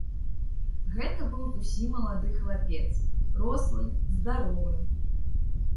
Гэта быў зусім малады хлапец, рослы, здаровы.